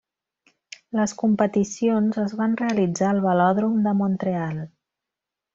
Les competicions es van realitzar al Velòdrom de Mont-real.